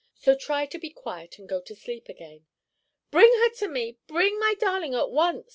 So try to be quiet and go to sleep again." "Bring her to me; bring my darling at once!"